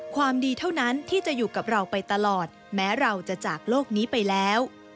ความดีเท่านั้นที่จะอยู่กับเราไปตลอดแม้เราจะจากโลกนี้ไปแล้ว